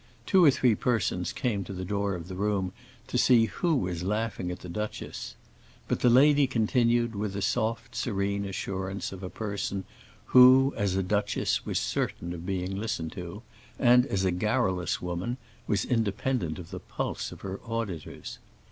Two or three persons came to the door of the room to see who was laughing at the duchess. But the lady continued with the soft, serene assurance of a person who, as a duchess, was certain of being listened to, and, as a garrulous woman, was independent of the pulse of her auditors.